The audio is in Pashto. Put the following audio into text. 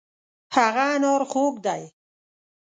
هغه انار خوږ دی.